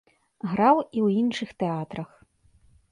Граў і ў іншых тэатрах.